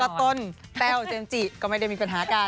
แล้วก็ต้นแป้วเจมส์จิก็ไม่ได้มีปัญหาการ